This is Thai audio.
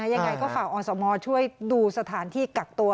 ยังไงก็ขออศมรช่วยดูสถานที่กำกลักตัว